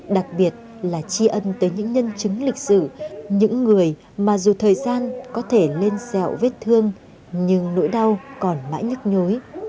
đặc biệt là tri ân tới những nhân chứng lịch sử những người mà dù thời gian có thể lên xẹo vết thương nhưng nỗi đau còn mãi nhức nhối